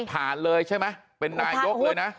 เลยใช่ไหมเป็นนายกเลยนะ